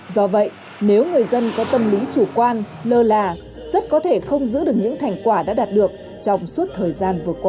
do vậy nếu người dân có tâm lý chủ quan lơ là rất có thể không giữ được những thành quả đã đạt được trong suốt thời gian vừa qua